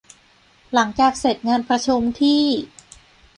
หลังจากเสร็จงานประชุมที่